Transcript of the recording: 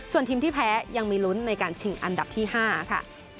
ส่วนทีมที่แพ้ยังมีลุ้นในการชิงอันดับที่๕ค่ะ